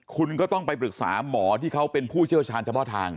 คุณก็ต้องไปปรึกษาหมอที่เขาเป็นผู้เจภชานชะม่อทาง